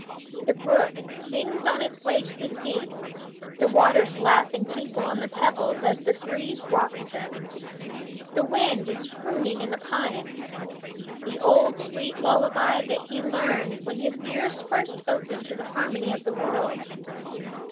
The brook sings on its way to the sea; the waters lap and tinkle on the pebbles as the breeze rocks them; the wind is crooning in the pines, the old, sweet lullaby that he heard when his ears first opened to the harmony of the world.